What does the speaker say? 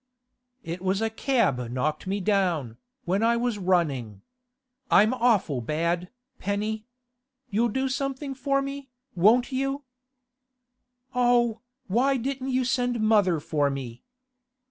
'It was a cab knocked me down, when I was running. I'm awful bad, Penny. You'll do something for me, won't you?' 'Oh, why didn't you send mother for me?